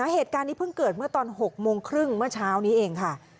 เหตุการณ์นี้เพิ่งเกิดเมื่อตอน๖โมงครึ่งเมื่อเช้านี้เองค่ะ